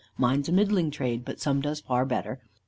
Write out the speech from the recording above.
Mine's a middling trade, but some does far better.